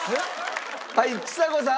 はいちさ子さん。